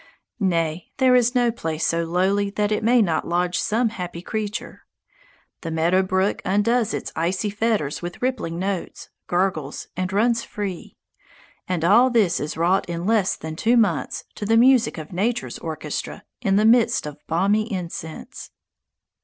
Nay, there is no place so lowly that it may not lodge some happy creature. The meadow brook undoes its icy fetters with rippling notes, gurgles, and runs free. And all this is wrought in less than two months to the music of nature's orchestra, in the midst of balmy incense.